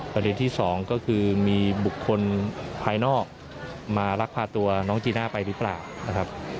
ประเด็นที่สองก็คือมีบุคคลภายนอกมาลักพาตัวน้องจีน่าไปหรือเปล่านะครับ